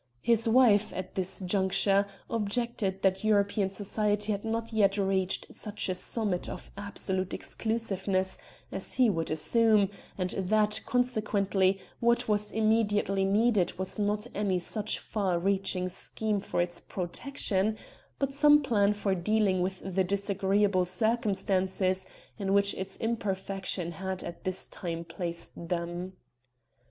His wife, at this juncture, objected that European society had not yet reached such a summit of absolute exclusiveness as he would assume, and that, consequently what was immediately needed was not any such far reaching scheme for its protection, but some plan for dealing with the disagreeable circumstances in which its imperfection had at this time placed them.